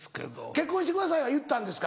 結婚してくださいは言ったんですか？